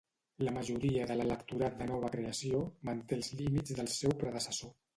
La majoria de l"electorat de nova creació manté els límits del seu predecessor.